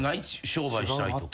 商売したいとか。